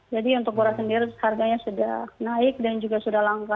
jadi untuk beras sendiri harganya sudah naik dan juga sudah langka